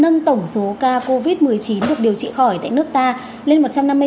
nâng tổng số ca covid một mươi chín được điều trị khỏi tại nước ta lên một trăm năm mươi bốn sáu trăm một mươi hai ca